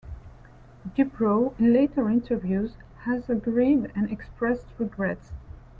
DuBrow in later interviews has agreed and expressed regrets.